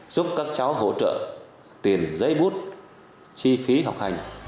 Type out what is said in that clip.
giúp các cháu hỗ trợ tiền giấy bút chi phí học hành